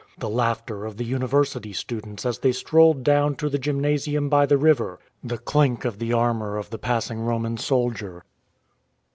the laughter of the University students as they strolled down to the gymnasium by the river, the clink of the armour of the passing Roman soldier.